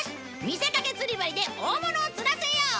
みせかけつり針で大物を釣らせよう！